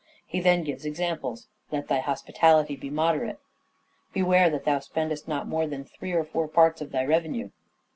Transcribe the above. He then gives examples :" Let thy hospitality be moderate." " Beware that thou spendest not more than three or four parts of thy revenue."